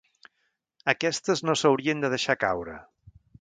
Aquestes no s’haurien de deixar caure.